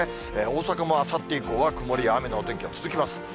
大阪もあさって以降は曇りや雨のお天気が続きます。